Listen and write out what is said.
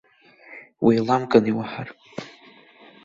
Уеиламган иуаҳар.